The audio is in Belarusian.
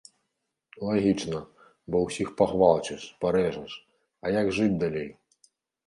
Лагічна, бо ўсіх пагвалціш, парэжаш, а як жыць далей?